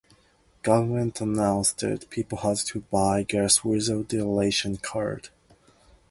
Government announced that people had to buy gas without their ration card.